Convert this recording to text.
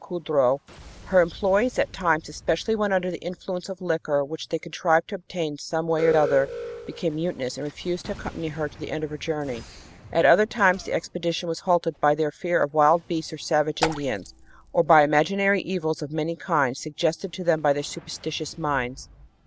Coudreau, her employees at times, especially when under the influence of liquor which they contrived to obtain some way or other, became mutinous and refused to accompany her to the end of her journey. At other times the expedition was halted by their fear of wild beasts or savage Indians, or by imaginary evils of many kinds, suggested to them by their superstitious minds.